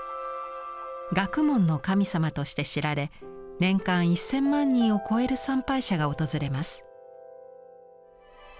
学問の神様として知られ年間１，０００万人を超える参拝者が訪れます。